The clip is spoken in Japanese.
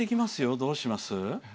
どうします？